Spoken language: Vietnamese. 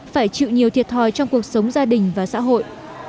phải chịu nhiều thiệt thòi trong cuộc sống gia đình và xã hội